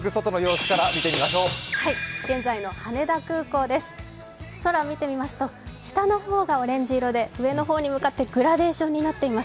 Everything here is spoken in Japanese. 空を見てみますと下の方がオレンジ色で上の方に向かってグラデーションになっています。